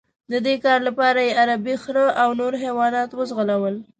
د دې کار لپاره یې عربي خره او نور حیوانات وځغلول.